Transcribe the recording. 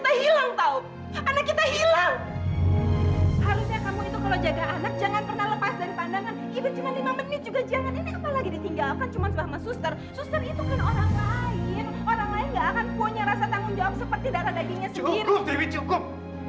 cukup triwi cukup